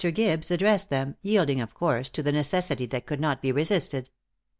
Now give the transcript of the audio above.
Gibbes addressed them yielding, of course, to the necessity that could not be resisted.